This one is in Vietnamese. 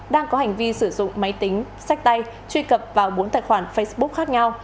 đang có hành vi sử dụng máy tính sách tay truy cập vào bốn tài khoản facebook khác nhau